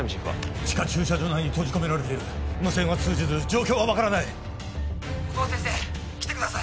地下駐車場内に閉じ込められている無線は通じず状況は分からない音羽先生来てください